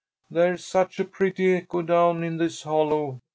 "There's such a pretty echo down in this hollow.